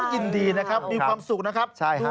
ยินดีนะครับมีความสุขนะครับ